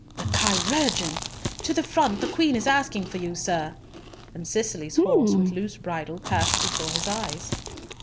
The chirurgeon! To the front, the Queen is asking for you, sir," and Cicely's horse with loose bridle passed before his eyes.